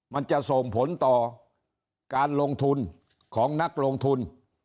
มันจะส่งผลต่อการลงทุนของนักลงทุน